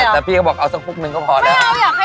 แต่พี่ก็บอกเอาสักกุลกลุ่มหนึ่งก็พอแน่